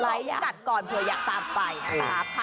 เอางั้นน้องกัดก่อนเผื่ออยากตามไปนะคะ